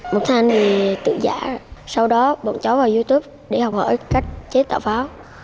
một thanh thì tự giả sau đó bọn cháu vào youtube để học hỏi cách chế tạo pháo